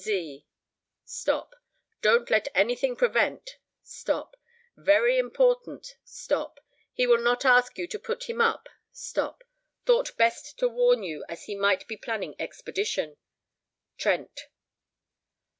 Z. stop don't let anything prevent stop very important stop he will not ask you to put him up stop thought best to warn you as you might be planning expedition. Trent."